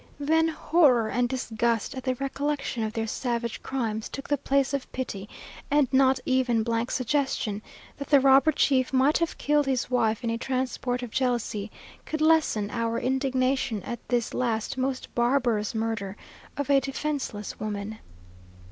Then horror and disgust at the recollection of their savage crimes took the place of pity, and not even 's suggestion, that the robber chief might have killed his wife in a transport of jealousy, could lessen our indignation at this last most barbarous murder of a defenceless woman.